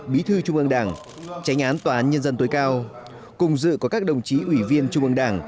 bí thư trung ương đảng tránh án tòa án nhân dân tối cao cùng dự có các đồng chí ủy viên trung ương đảng